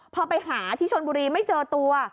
พอไปหาที่ชนบุรีไม่เจอตัว